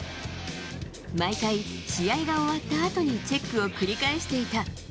毎回、試合が終わったあとにチェックを繰り返していた。